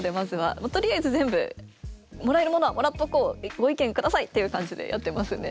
もうとりあえず全部もらえるものはもらっとこうご意見下さいっていう感じでやってますね。